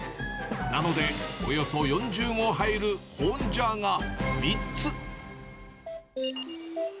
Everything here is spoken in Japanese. なので、およそ４０合入る保温ジャーが３つ。